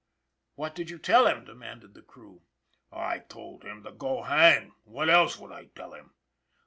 " What did you tell him? " demanded the crew. " I told him to go hang. What else would I tell him?"